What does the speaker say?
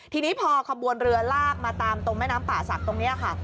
ทีนี้พอขบวนเรือลากมาตามตรงแม่น้ำป่าศักดิ์ตรงนี้ค่ะ